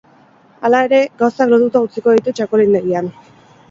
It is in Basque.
Hala ere, gauzak lotuta utziko ditu txakolindegian.